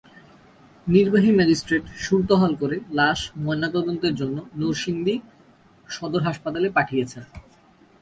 নির্বাহী ম্যাজিস্ট্রেট সুরতহাল করে লাশ ময়নাতদন্তের জন্য নরসিংদী সদর হাসপাতালে পাঠিয়েছেন।